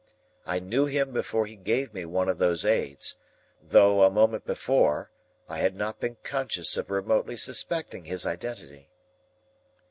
I knew him before he gave me one of those aids, though, a moment before, I had not been conscious of remotely suspecting his identity.